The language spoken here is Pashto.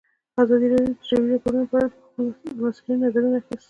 ازادي راډیو د د جګړې راپورونه په اړه د مسؤلینو نظرونه اخیستي.